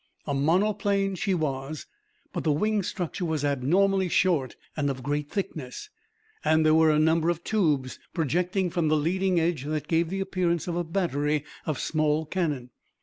A monoplane she was, but the wing structure was abnormally short and of great thickness, and there were a number of tubes projecting from the leading edge that gave the appearance of a battery of small cannon.